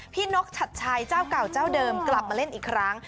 นกชัดชัยเจ้าเก่าเจ้าเดิมกลับมาเล่นอีกครั้ง